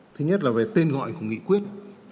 thứ nhất là về tên gọi của nghị quyết